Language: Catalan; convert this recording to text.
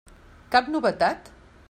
Cap novetat?